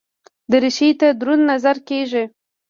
دریشي ته دروند نظر کېږي.